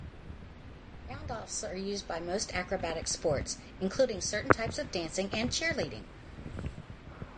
Roundoffs are used by most acrobatic sports, including certain types of dancing and cheerleading.